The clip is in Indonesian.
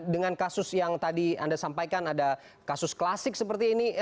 dengan kasus yang tadi anda sampaikan ada kasus klasik seperti ini